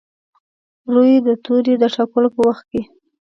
روي د توري د ټاکلو په وخت کې.